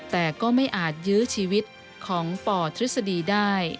แต่ก็ไม่อาจยื้อชีวิตของปทฤษฎีได้